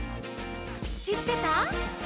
「しってた？」